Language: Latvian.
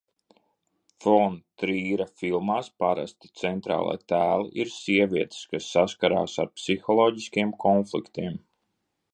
Fon Trīra filmās parasti centrālie tēli ir sievietes, kas saskaras ar psiholoģiskiem konfliktiem.